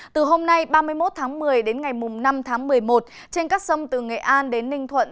từ hôm nay ba mươi một tháng một mươi đến ngày năm tháng một mươi một trên các sông từ nghệ an đến ninh thuận